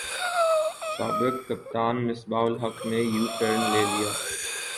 سابق کپتان مصباح الحق نے یوٹرن لے لیا